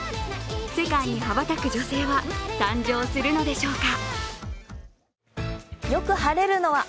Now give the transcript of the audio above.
世界に羽ばたく女性は誕生するのでしょうか。